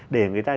để người ta